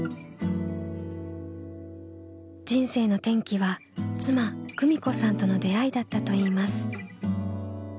人生の転機は妻久美子さんとの出会いだったといいます。